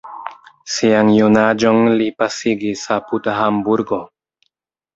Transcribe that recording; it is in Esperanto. Sian junaĝon li pasigis apud Hamburgo.